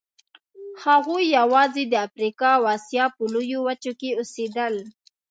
هغوی یواځې د افریقا او اسیا په لویو وچو کې اوسېدل.